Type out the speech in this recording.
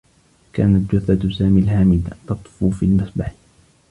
كانت جثّة سامي الهامدة تطفو في المسبح.